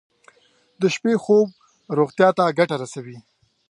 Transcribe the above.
د شپې خوب روغتیا ته ګټه رسوي.